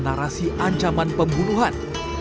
narasi ancaman pembunuhan